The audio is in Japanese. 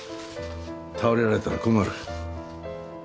倒れられたら困る。